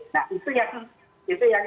nah itu yang